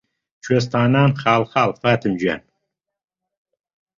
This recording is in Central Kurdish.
کوێستانان خاڵ خاڵ فاتم گیان